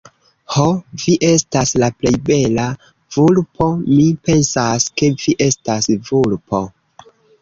Ho, vi estas la plej bela... vulpo, mi pensas, ke vi estas vulpo.